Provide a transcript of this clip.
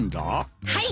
はい。